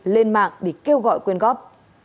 lên mạng để kêu gọi quyền góp